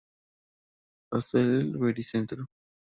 Hasta el Baricentro.